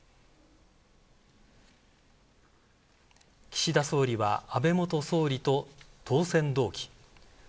岸田総理は安倍元総理と当選同期。